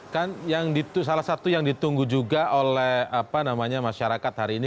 kan salah satu yang ditunggu juga oleh masyarakat hari ini